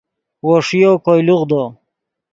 وو ݰیو کوئے لوغدو